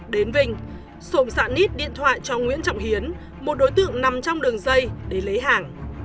đến vinh xuồng xạ nít điện thoại cho nguyễn trọng hiến một đối tượng nằm trong đường dây để lấy hàng